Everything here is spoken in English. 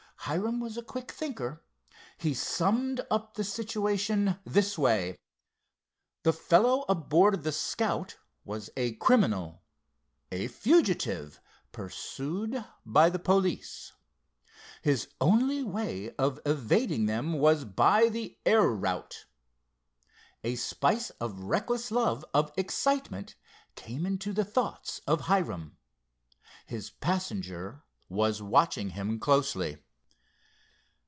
Hiram was a quick thinker. He summed up the situation this way: the fellow aboard the Scout was a criminal, a fugitive pursued by the police. His only way of evading them was by the air route. A spice of reckless love of excitement came into the thoughts of Hiram. His passenger was watching him closely.